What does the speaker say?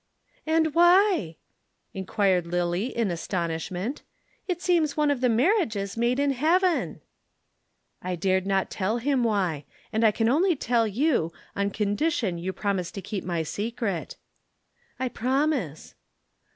"And why?" inquired Lillie in astonishment. "It seems one of the marriages made in heaven." "I dared not tell him why; and I can only tell you on condition you promise to keep my secret." "I promise."